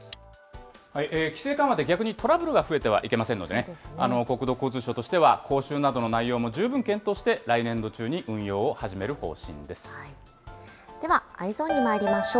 規制緩和で逆にトラブルが増えてはいけませんのでね、国土交通省としては、講習などの内容も十分検討して、来年度中に運用をでは、Ｅｙｅｓｏｎにまいりましょう。